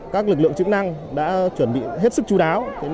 các lực lượng chức năng đã chuẩn bị hết sức chú đáo